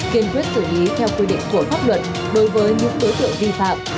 kiên quyết xử lý theo quy định của pháp luật đối với những đối tượng vi phạm